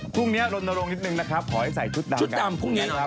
ภูมินี้ลดนรงนิดหนึ่งนะครับปลอดภัยใส่ชุดดำ